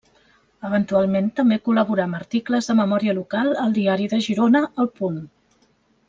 Eventualment també col·laborà amb articles de memòria local al Diari de Girona, El Punt.